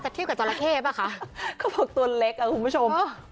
เขาอาจจะเทียบกับจรคะเจ๊ป่าา